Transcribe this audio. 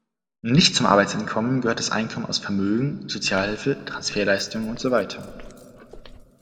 Nicht zum Arbeitseinkommen gehört das Einkommen aus Vermögen, Sozialhilfe, Transferleistungen usw.